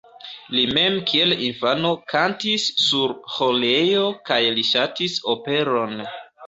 Li mem kiel infano kantis sur ĥorejo kaj li ŝatis operon.